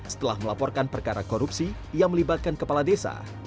setelah melaporkan perkara korupsi yang melibatkan kepala desa